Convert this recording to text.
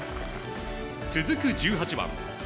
続く１８番。